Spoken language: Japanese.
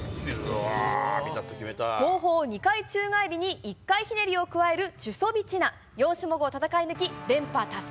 後方２回宙返りに１回ひねりを加えるチュソビチナ。